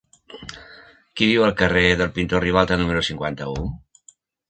Qui viu al carrer del Pintor Ribalta número cinquanta-u?